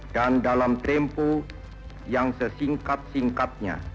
dan dalam tempoh yang sesingkat singkatnya